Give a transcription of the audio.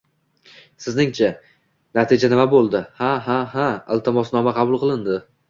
Sizningcha, natija nima bo'ldi? Ha, ha, ha - iltimosnoma qabul qilindi!